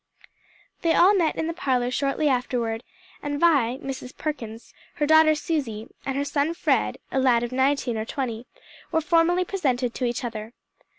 They all met in the parlor shortly afterward, and Vi, Mrs. Perkins, her daughter Susie, and her son Fred, a lad of nineteen or twenty, were formally presented to each other.